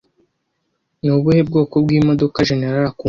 Ni ubuhe bwoko bw'imodoka Jenerali akunda